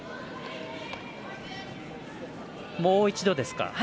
もう一度ですか。